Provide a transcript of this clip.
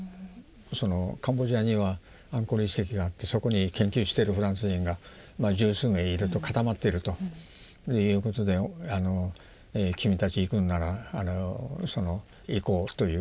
そのカンボジアにはアンコール遺跡があってそこに研究してるフランス人が十数名いると固まっているということで君たち行くんなら行こうという話になったんですね。